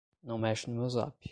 Não mexe no meu zap